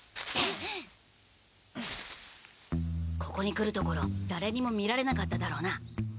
ここに来るところだれにも見られなかっただろうな？